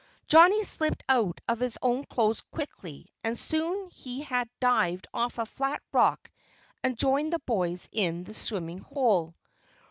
Johnnie slipped out of his own clothes quickly and soon he had dived off a flat rock and joined the boys in the swimming hole.